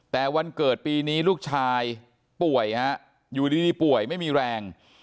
แต่วันเกิดปีนี้ลูกชายป่วยฮะอยู่ดีป่วยไม่มีแรง